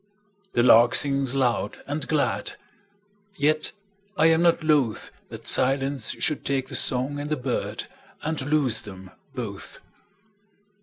The lark sings loud and glad, Yet I am not lothThat silence should take the song and the birdAnd lose them both.